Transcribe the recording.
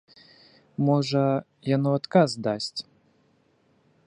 Можа, яно адказ дасць.